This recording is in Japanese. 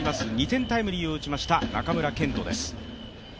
２点タイムリーを打ちました中村健人です。